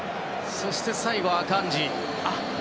そして、最後はアカンジ。